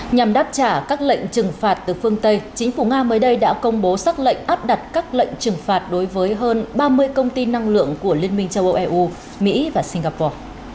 nhằm đáp trả các lệnh trừng phạt từ phương tây chính phủ nga mới đây đã công bố xác lệnh áp đặt các lệnh trừng phạt đối với hơn ba mươi công ty năng lượng của liên minh châu âu eu mỹ và singapore